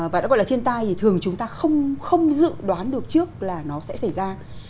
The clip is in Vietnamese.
và đã gọi là thiên tai thì thường chúng ta không dự đoán được trước là nó sẽ xảy ra